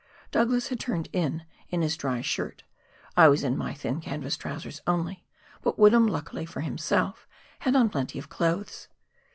Douglas had turned in, in his dry shirt, I was in my thin canvas trousers only ; but Woodham, luckily for himself, had on plenty of clothes.